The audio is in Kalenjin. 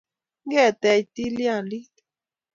ngeteech tilyandit